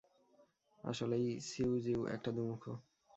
আসলেই, সিউ জিউ একটা দুমুখো।